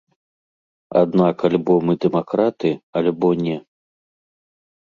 Аднак альбо мы дэмакраты, альбо не.